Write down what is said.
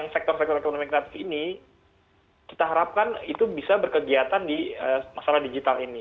sektor sektor ekonomi kreatif ini kita harapkan itu bisa berkegiatan di masalah digital ini